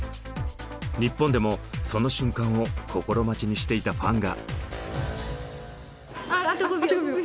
日本でもその瞬間を心待ちにしていたファンが。